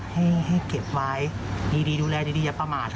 ให้เก็บไว้ดีดูแลดีอย่าประมาท